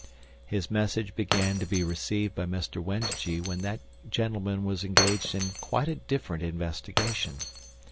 His message began to be received by Mr. Wendigee when that gentleman was engaged in quite a different investigation.